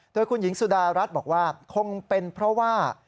โดยคุณหญิงสุดารัฐบอกว่าคงเป็นเพราะว่า